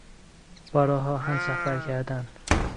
با راه آهن سفر کردن